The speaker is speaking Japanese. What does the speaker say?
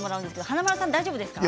華丸さん、大丈夫ですか。